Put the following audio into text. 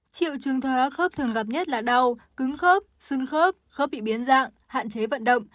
triệu trường thoái hóa khớp thường gặp nhất là đau cứng khớp xương khớp khớp bị biến dạng hạn chế vận động